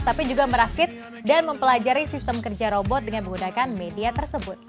tapi juga merafit dan mempelajari sistem kerja robot dengan menggunakan media tersebut